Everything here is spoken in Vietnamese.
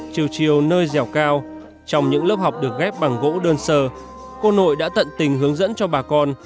chiều chiều nơi dẻo cao trong những lớp học được ghép bằng gỗ đơn sơ cô nội đã tận tình hướng dẫn cho bà con